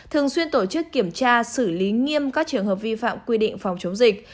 thường xuyên tổ chức kiểm tra xử lý nghiêm các trường hợp vi phạm quy định phòng chống dịch